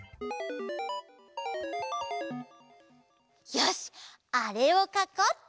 よしあれをかこうっと！